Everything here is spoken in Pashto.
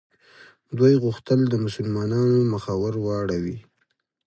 دوی غوښتل د مسلمانانو مخه ور واړوي.